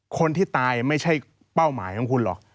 คนที่ตายไม่ใช่เป้าหมายของคุณหรอก